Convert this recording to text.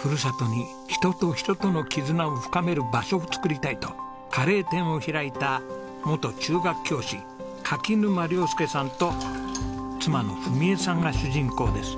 ふるさとに人と人との絆を深める場所を作りたいとカレー店を開いた元中学教師柿沼亮佑さんと妻の史枝さんが主人公です。